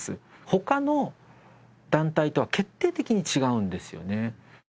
他の団体とは決定的に違うんですよね。